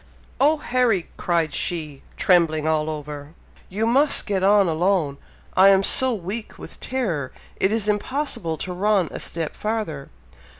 "Oh, Harry!" cried she, trembling all over, "you must get on alone! I am so weak with terror, it is impossible to run a step farther."